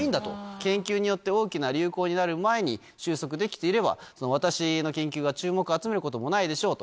研究によって、大きな流行になる前に収束できていれば、私の研究が注目を集めることもないでしょうと。